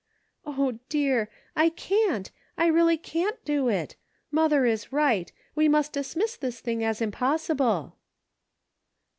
" O dear ! I can't, I really can't do it ; mother is right ; we must dismiss this thing as impossible."